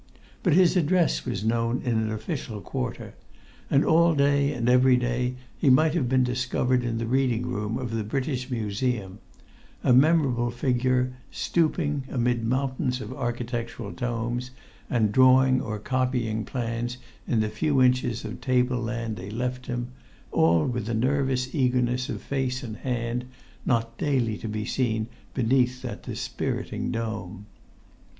But his address was known in an official quarter. And all day and every day he might have been discovered in the reading room of the British Museum: a memorable figure, stooping amid mountains of architectural tomes, and drawing or copying plans in the few inches of table land they left him, all with a nervous eagerness of face and hand not daily to be seen beneath that dispiriting dome.